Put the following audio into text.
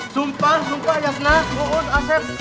sumpah sumpah jasnah bu uud asep